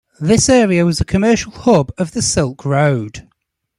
This area was a commercial hub of the Silk Road.